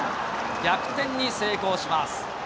逆転に成功します。